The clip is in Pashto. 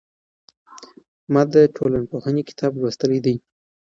ما د ټولنپوهنې کتاب لوستلی دی.